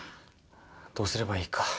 どうすればいいか。